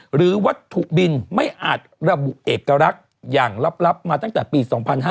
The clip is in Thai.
หรือวัตถุบินไม่อาจระบุเอกลักษณ์อย่างลับมาตั้งแต่ปี๒๕๕๙